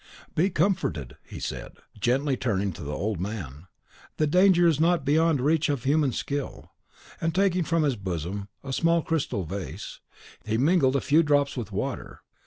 "Be comforted," he said, gently turning to the old man, "the danger is not beyond the reach of human skill;" and, taking from his bosom a small crystal vase, he mingled a few drops with water.